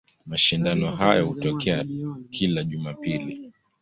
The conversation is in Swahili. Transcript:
Mashindano hayo hutokea kila Jumapili.